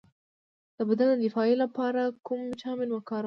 د بدن د دفاع لپاره کوم ویټامین وکاروم؟